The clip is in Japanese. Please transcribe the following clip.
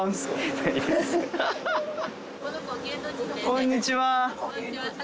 こんにちは。